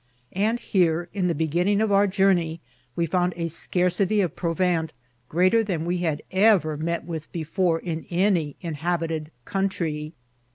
And here, in the beginning of our journey, we found a scar city of provant greater than we had ever met with be fore in any inhabited country.